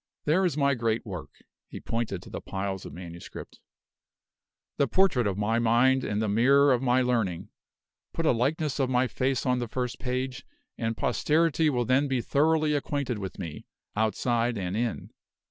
There is my great work" (he pointed to the piles of manuscript), "the portrait of my mind and the mirror of my learning; put a likeness of my face on the first page, and posterity will then be thoroughly acquainted with me, outside and in.